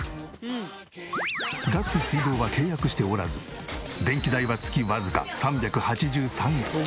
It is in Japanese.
ガス水道は契約しておらず電気代は月わずか３８３円。